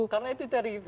karena itu tadi